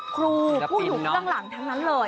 ครูผู้อยู่ข้างหลังทั้งเลย